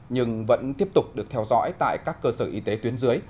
nhưng vẫn tiếp tục được theo dõi tại các cơ sở y tế tuyến dưới